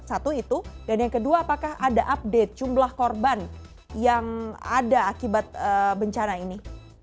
satu itu dan yang kedua apakah ada update jumlah korban yang ada akibat bencana ini